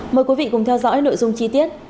mời quý vị cùng theo dõi nội dung chi tiết